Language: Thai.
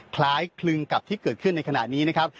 คล้ายคลึงกับที่เกิดขึ้นในขณะนี้นะครับ